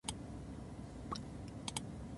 度を越してていねいなこと。また、慇懃無礼なこと。